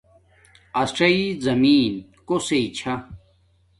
اݽی زمین کوسݵ چھا